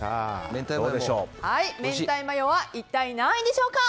明太マヨは一体何位でしょうか。